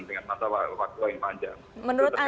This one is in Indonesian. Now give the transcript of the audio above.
dengan masa waktu yang panjang